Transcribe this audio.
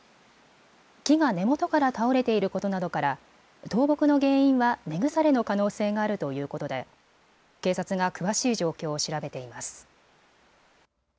木が根元から倒れていることなどから倒木の原因は根腐れの可能性があるということで警察が詳しい状況を調べています。